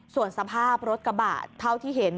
ส่วนสภาพรถกระบะเท่าที่เห็น